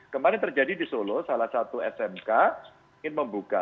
kemarin terjadi di solo salah satu smk ingin membuka